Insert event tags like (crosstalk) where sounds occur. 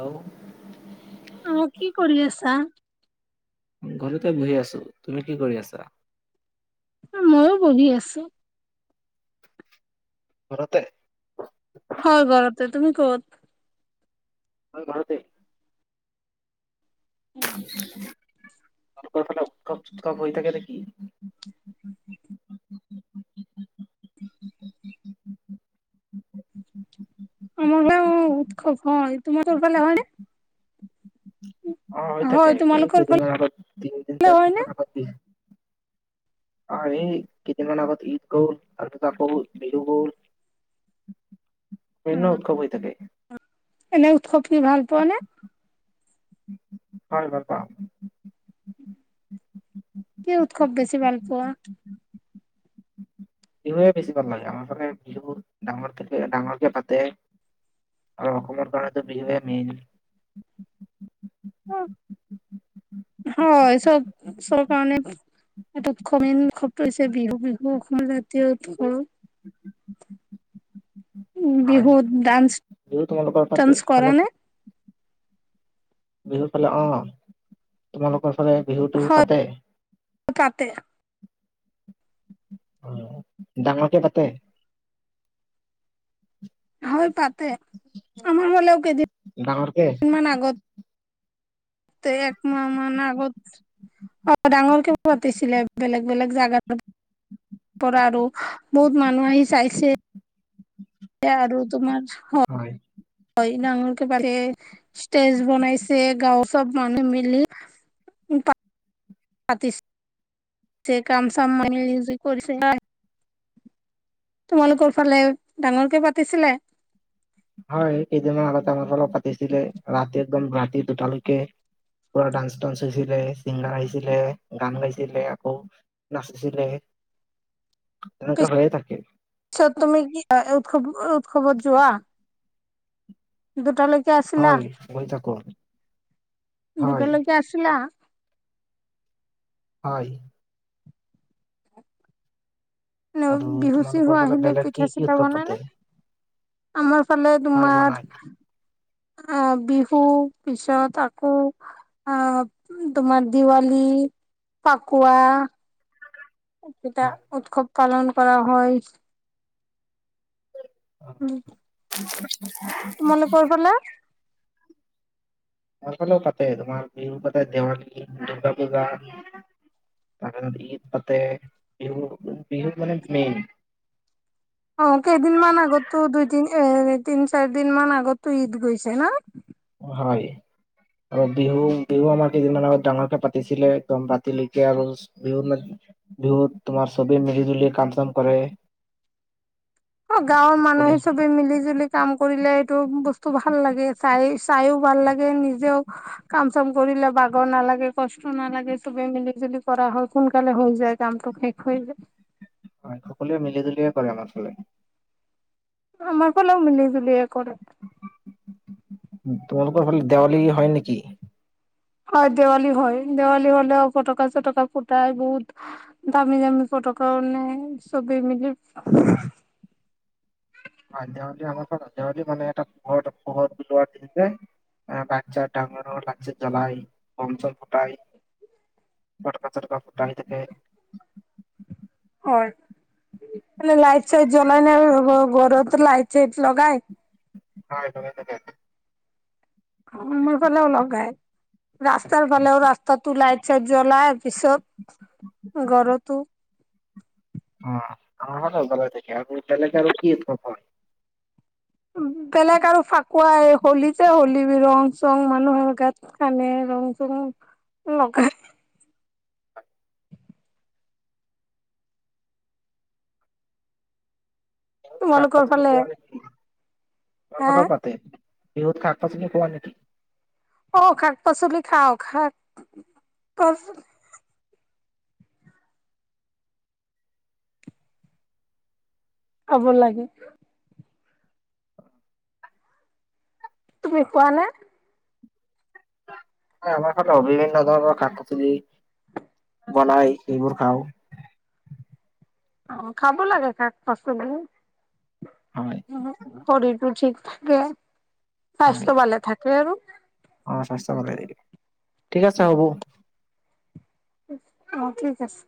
Hello অ', কি কৰি আছা? ঘৰতে বহি আছোঁ। তুমি কি কৰি আছা? এ, মইয়ো বহি আছোঁ। ঘৰতে? হয়, ঘৰতে তুমি ক'ত? মই ঘৰতে। তোমালোকৰ ফালে উৎসৱ- চুৎসৱ হৈ থাকে নেকি? আমাৰ ফালে উ উৎসৱ হয়। তোমালোকৰ ফালে হয় নে? অ', হৈ হয় থাকে, এই তোমালোকৰ কেইদিনমানৰ আগত, তিনিদিন, ফালে হয় চাৰিদিন নে মান আগত (unintelligible) আহ এই, কেইদিন মান আগত ঈদ গ'ল তাৰপাছত আকৌ বিহু গ'ল। অ বিভিন্ন উৎসৱ হৈ থাকে। এনে উৎসৱ কি ভাল পোৱা নে? হয়', ভাল পাওঁ। কি উৎসৱ বেছি ভাল পোৱা? বিহুৱে বেছি ভাল লাগে আমাৰ ফালে বিহু ডাঙৰ ডাঙৰকে পাতে আৰু অসমৰ কাৰণে টো বিহুয়ে মেইন। (inaudible) হয়', চব, চব কাৰণে এই উৎস মেইন উৎসৱটো হৈছে বিহু বিহু অসমৰ জাতীয় উৎস। হয় বিহুত ডান্স, বিহু তোমালোকৰ ফালে ডান্স ফালে কৰা নে? বিহুৰ ফালে অ' তোমালোকৰ ফালে বিহুটো হয় পাতে? পাতে, অ', ডাঙৰকে পাতে? হয় পাতে, আমাৰ ফালেও কেইদিন ডাঙৰকে? মান আগত তে এক মাহ মান আগত অ', ডাঙৰকে পাতিছিলে বেলেগ বেলেগ জাগাত। পৰা আৰু, বহুত মানুহ আহি চাইছে এতিয়া আৰু তোমাৰ হয়', হয় ডাঙৰকে পাতে, ষ্টেজ বনাইছে গাঁওৰ চব মানুহ মিলি উম' পতিছ ছে কাম চাম মানুহে নিজে কৰিছে হয়। তোমালোকৰ ফালে, ডাঙৰকে পাতিছিলে? হয়', কেইদিনমান আগতে আমাৰ ফালেও পাতিছিলে ৰাতি একদম ৰাতি দুটালৈকে পোৰা ডান্স টান্স হৈছিলে চিংগাৰ আহিছিলে, গান গাইছিলে আকৌ নাচিছিলে, তেনেকুৱা হৈয়ে থাকে। পিছত তুমি কি (unintelligible) উৎস উৎসৱত যোৱা দুটালৈ হয়', বহি থাকো। দুটা হয় লৈকে আছিলা? হয় আৰু হেল্ল'বিহু চিহু তোমালোকৰ ফালে আহিলে বেলেগ কি পিঠা কি চিঠা উৎসৱ বনাই পাতে? নে? আমাৰ ফালে হয় তোমাৰ বনাই, অ' বিহু পিছত আকৌ অ' তোমাৰ দিৱালী, পাকুৱা কেইটা হয়। উৎসৱ পালন কৰা হয়। অ', উম, (inaudible) তোমালোকৰ ফালে? আমাৰ ফালও পাতেতোমাৰ বিহুৰ পাতে দেৱালী, দুৰ্গা পূজা। ঈদ পাতে, বিহু মানে মেইন। অ' কেইদিনমান আগতো দুই, তিন, চাৰি দিন মানৰ আগতটো ঈদ গৈছে ন? হয়। আৰু বিহু, বিহু আমাৰ কেইদিনমান আগত ডাঙৰকে পাতিছিলে। একদম ৰাতিলৈকে আৰু বিহু মানে বিহুত তোমাৰ চবেই মিলি জুলি কাম চাম কৰে। অ' গাঁৱৰ মানুহে সকলোৱে ছবেই মিলি-জুলি কাম কৰিলে এইটো বস্তু ভাল লাগে চাই, চাইও ভাল লাগে নিজেও কাম চাম কৰিলে ভাগৰ নালাগে, কষ্ট নালাগে। চবেই মিলি জুলি কৰা হয় সোনকালে হৈ যায় কামটো সেষ। হয়। হ'য় সকলোৱে মিলি জুলিয়েই কৰে আমাৰ ফালে। আমাৰ ফালেও মিলি-জুলিয়েই কৰে। তোমালোকৰ ফালে দেৱালী হ'য় নেকি? হয় দেৱালী হয়, দেৱালী হ'লে ফটকা চটকা ফুটাই বহুত দামি, দামি ফটকা ফুটাই চবেই মিলি অ'দেৱলী আমাৰ আ দেৱলী মানে এটা পোহৰ, পোহৰ বলোৱা দিন যে। অ' বাচ্ছা ডাঙৰ হ'ল লাইট-চাইট ফুটাই বম সম জ্বলাই। ফটকা- চটকা ফুটাই থাকে। হ'য়, লাইট - চাইট জ্বলাই নে ঘৰতোত লাইট - চাইট লগাই। হয় জ্বলায় থাকে। আমাৰ ফালেও লগাই, ৰাস্তাৰ ফালেও ৰাস্তাটোতো লাইট। চাইট জ্বলাই পিছত ঘৰটো উম, আমাৰ (unintelligible) বেলেগে আৰু কি ক'ব। বেলেগ আৰু ফাকুৱা আৰু হলী যে হলীৰ ৰং-চং মানুহৰ গাত সানে ৰং-চং লগাই। অ' সাৰ তোমালোকৰ পাত (unintelligible) ফালে কি সাৰ হা পাতৰ পাত? তে বিহুত শাক -পাচলি খোৱা নেকি? অ' শাক পাচলি খাওঁ শাক খাব লাগে। তুমি খোৱা নে? আমাৰ ঘৰত বিভিন্ন ধৰণৰ শাক-পাচলী বনাই এইবোৰ খাওঁ। অ'খাব লাগে শাক-পাচি। হয় শৰীৰটো ঠিক থাকে হয় স্বাস্থ্য ভালে থাকে আৰু। অ' স্বাস্থ্য ভালেই থাকে, ঠিক আছে হ'ব। অ' ঠিক আছে।